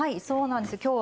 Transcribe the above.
そうなんですよ。